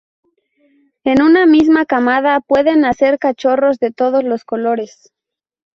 En una misma camada pueden nacer cachorros de todos los colores.